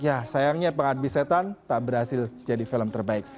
ya sayangnya pengabdi setan tak berhasil jadi film terbaik